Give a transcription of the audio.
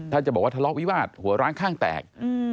ถ้าจะบอกว่าทะเลาะวิวาสหัวร้างข้างแตก